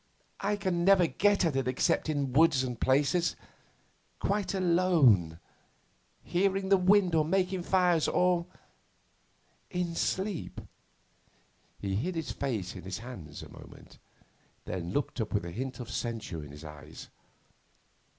I can never get at it except in woods and places, quite alone, hearing the wind or making fires, or in sleep.' He hid his face in his hands a moment, then looked up with a hint of censure in his eyes.